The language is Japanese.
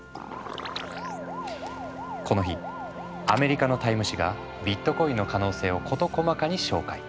この日アメリカのＴＩＭＥ誌がビットコインの可能性を事細かに紹介。